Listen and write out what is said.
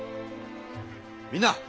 みんな！